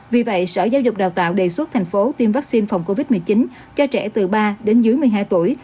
vì vậy sở giáo dục đào tạo đề xuất thành phố tiêm vaccine phòng covid một mươi chín cho trẻ từ ba đến dưới một mươi hai tuổi